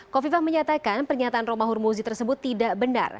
kofifah menyatakan pernyataan roma hurmuzi tersebut tidak benar